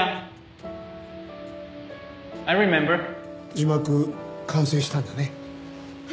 字幕完成したんだね。